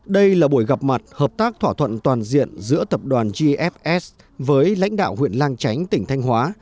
đây là buổi gặp mặt hợp tác thỏa thuận toàn diện giữa tập đoàn gfs với lãnh đạo huyện lang chánh tỉnh thanh hóa